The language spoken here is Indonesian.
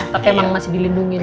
tapi emang masih dilindungin sih